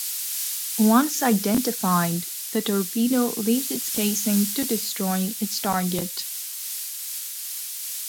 Once identified, the torpedo leaves its casing to destroy its target.